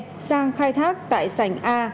e sang khai thác tại sành a